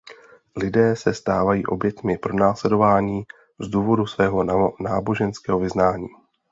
Lidé se stávají oběťmi pronásledování z důvodu svého náboženského vyznání.